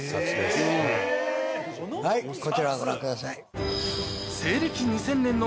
はいこちらご覧ください。